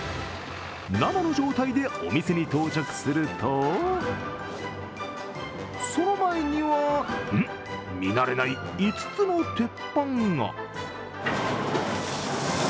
生の状態でお店に到着すると、その前にはうん？、見慣れない５つの鉄板が。